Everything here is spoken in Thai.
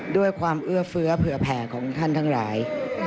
ด้วยความเอื้อเฟื้อเผื่อแผ่ของท่านทั้งหลาย